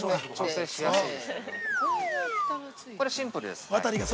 ◆これ、シンプルですね。